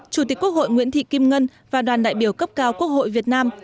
chủ tịch quốc hội nguyễn thị kim ngân và đoàn đại biểu cấp cao quốc hội việt nam